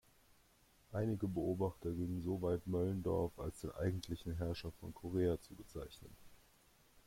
Einige Beobachter gingen so weit, Möllendorff als den „eigentlichen Herrscher von Korea“ zu bezeichnen.